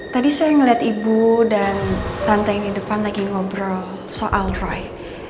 tadi saya melihat ibu dan tante yang di depan lagi ngobrol soal roy